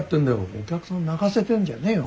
お客さん泣かせてんじゃねえよ。